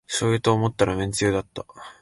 しょうゆと思ったらめんつゆだった